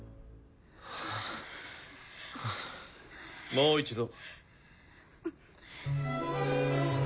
もう一度。